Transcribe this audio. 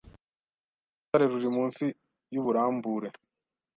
Urutare ruri munsi yuburambure